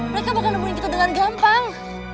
mereka bakal nemuin kita dengan gampang